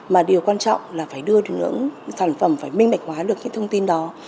mà điều quan trọng là phải đưa được những sản phẩm phải minh mệnh hóa được những thông tin đó